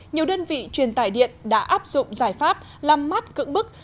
nhiều đơn vị truyền tải điện đã áp dụng giải pháp làm mát cưỡng bức